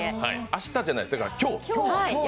明日じゃないです、今日。